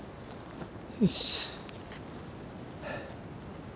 よし。